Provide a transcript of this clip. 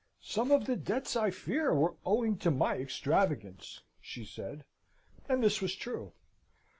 "Some of the debts, I fear, were owing to my extravagance!" she said (and this was true).